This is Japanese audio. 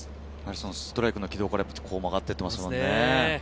ストライクの軌道から曲がっていっていますもんね。